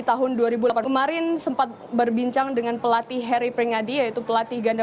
tahun dua ribu delapan kemarin sempat berbincang dengan pelatih harry pringadi yaitu pelatih ganda